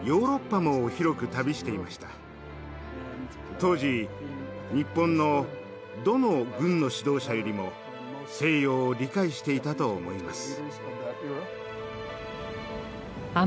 当時日本のどの軍の指導者よりも西洋を理解していたと思います。